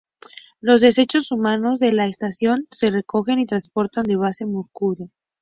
Los desechos humanos de la estación se recogen y transportan a la Base McMurdo.